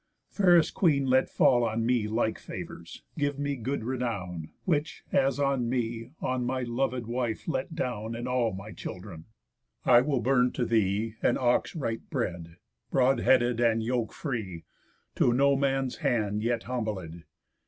Fairest queen, let fall On me like favours! Give me good renown! Which, as on me, on my lov'd wife let down, And all my children. I will burn to thee An ox right bred, broad headed, and yoke free, To no man's hand yet humbled.